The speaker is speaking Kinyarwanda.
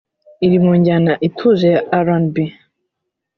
Iri mu njyana ituje ya R’n’B